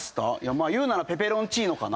まあ言うならペペロンチーノかな。